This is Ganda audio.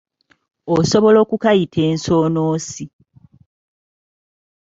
Osobola okukayita nsoonoosi.